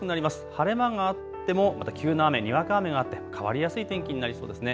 晴れ間があってもまた急な雨、にわか雨があって変わりやすい天気になりそうですね。